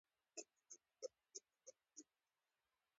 دا قسمه درد د څټ د پټو د راښکلو نه کيږي